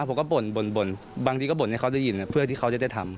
ผมก็บ่นบางทีก็บ่นให้เขาได้ยินเพื่อที่เขาจะได้ทำ